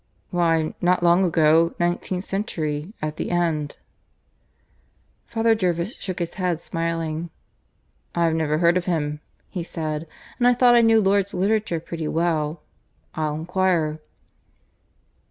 "Why, not long ago; nineteenth century, at the end." Father Jervis shook his head, smiling. "I've never heard of him," he said, "and I thought I knew Lourdes literature pretty well. I'll enquire."